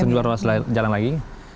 sejumlah ruas jalan lagi